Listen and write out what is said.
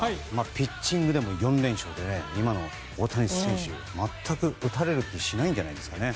ピッチングでも４連勝で今の大谷選手、全く打たれる気しないんじゃないですかね。